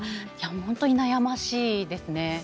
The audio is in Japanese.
本当に悩ましいですね。